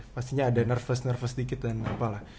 pastinya ada nervous nervous sedikit dan apalah